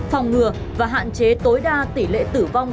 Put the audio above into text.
phòng ngừa và hạn chế tối đa tỷ lệ tử vong